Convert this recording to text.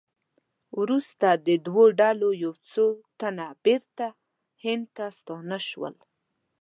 وروسته د دواړو ډلو یو څو تنه بېرته هند ته ستانه شول.